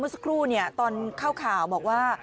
สักครู่ตอนเข้าข่าวบอกว่า